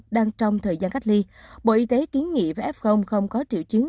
đang trong thời gian cách ly bộ y tế kiến nghị với f không có triệu chứng